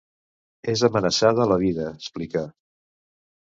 És amenaçada la vida, explica.